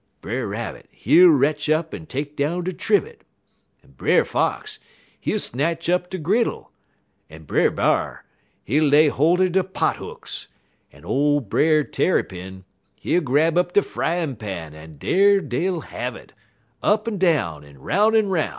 Brer Rabbit, he'll retch up en take down de trivet, en Brer Fox, he'll snatch up de griddle, en Brer B'ar, he'll lay holt er de pot hooks, en ole Brer Tarrypin, he'll grab up de fryin' pan en dar dey'll have it, up en down, en' roun' en 'roun'.